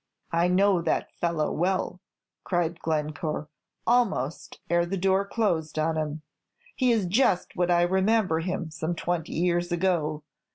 "I know that fellow well," cried Glencore, almost ere the door closed on him. "He is just what I remember him some twenty years ago.